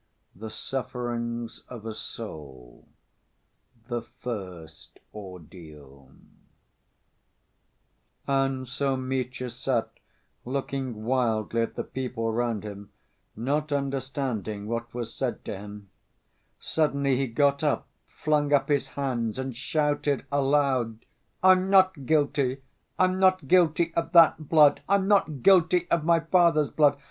The Sufferings Of A Soul, The First Ordeal And so Mitya sat looking wildly at the people round him, not understanding what was said to him. Suddenly he got up, flung up his hands, and shouted aloud: "I'm not guilty! I'm not guilty of that blood! I'm not guilty of my father's blood....